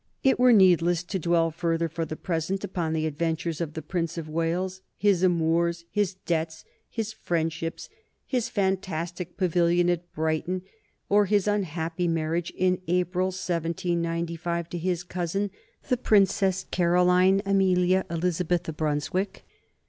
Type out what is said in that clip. It were needless to dwell further for the present upon the adventures of the Prince of Wales, his amours, his debts, his friendships, his fantastic pavilion at Brighton, or his unhappy marriage in April, 1795, to his cousin, the Princess Caroline Amelia Elizabeth of Brunswick.